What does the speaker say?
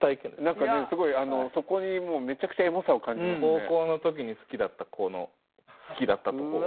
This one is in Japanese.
何かねすごいそこにめちゃくちゃ高校の時に好きだった子の好きだったところ。